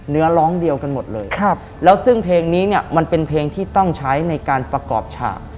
เนื้อร้องเดียวกันหมดเลยครับแล้วซึ่งเพลงนี้เนี่ยมันเป็นเพลงที่ต้องใช้ในการประกอบฉาก